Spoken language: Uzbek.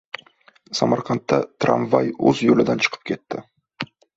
Samarqandda tramvay o‘z yo‘lidan chiqib ketdi